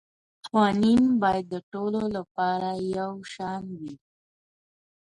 قوانین باید د ټولو لپاره یو شان وي